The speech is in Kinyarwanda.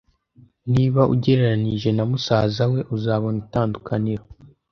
Niba ugereranije na musaza we, uzabona itandukaniro.